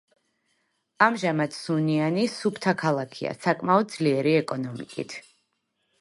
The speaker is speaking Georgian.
ამჟამად სუნიანი სუფთა ქალაქია საკმაოდ ძლიერი ეკონომიკით.